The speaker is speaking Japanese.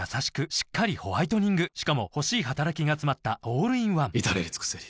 しっかりホワイトニングしかも欲しい働きがつまったオールインワン至れり尽せり